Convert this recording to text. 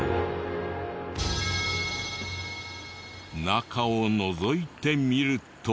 中をのぞいてみると。